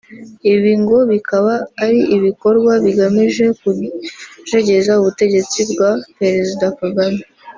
Ibi ngo bikaba ari ibikorwa bigamije kujegeza ubutegetsi bwa Perezida Kagame